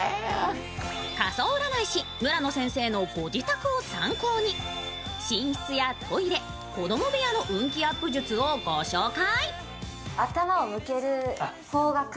更に家相占い師、村野さんのご自宅を参考に寝室やトイレ、子供部屋の運気アップ術をご紹介。